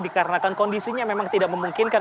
dikarenakan kondisinya memang tidak memungkinkan